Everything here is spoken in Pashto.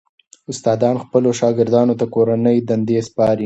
استادان خپلو شاګردانو ته کورنۍ دندې سپاري.